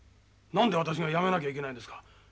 何で私が辞めなきゃいけないんですか？